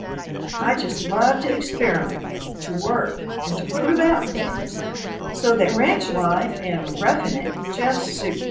I just love to experiment, to work, and to prove out things, so that ranch life and "roughing it" just suit me.